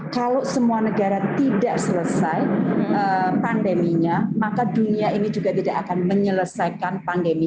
kalau semua negara tidak selesai pandeminya maka dunia ini juga tidak akan menyelesaikan pandemi